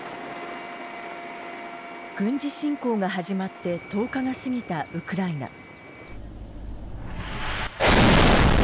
軍事侵攻が始まって１０日が過ぎたウクライナ。